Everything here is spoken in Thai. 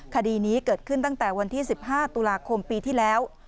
คดีนี้เกิดขึ้นตั้งแต่วันที่๑๕ตุลาคมปีที่แล้ว